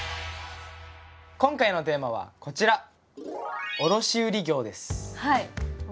今回のテーマはこちらはい卸売業。